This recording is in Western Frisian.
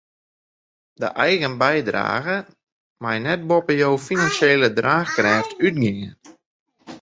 De eigen bydrage mei net boppe jo finansjele draachkrêft útgean.